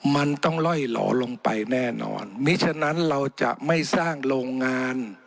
มันต้องล่อยหล่อลงไปแน่นอนมิฉะนั้นเราจะไม่สร้างโรงงาน